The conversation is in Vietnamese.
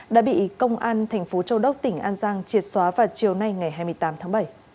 đã bị công an thành phố châu đốc tỉnh an giang triệt xóa vào chiều nay ngày hai mươi tám tháng bảy